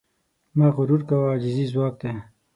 مه غرور کوه، عاجزي ځواک دی.